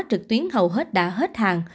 trực tuyến hầu hết đã hết hàng